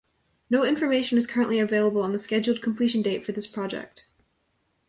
No information is currently available on the scheduled completion date for this project.